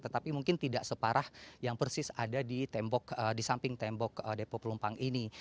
tetapi mungkin tidak separah yang persis ada di samping tembok depo pelumpang ini